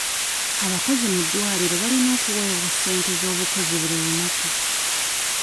Abakozi mu ddwaliro balina okuweebwa ssente ez'obukozi buli lunaku.